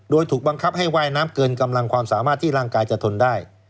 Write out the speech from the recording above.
โดยถูกบังคับให้ว่ายน้ำเกินกำลังความสามารถที่ร่างกายจะทนได้